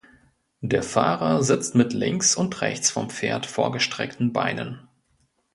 Der Fahrer sitzt mit links und rechts vom Pferd vorgestreckten Beinen.